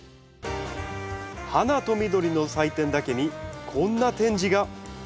「花と緑の祭典」だけにこんな展示が！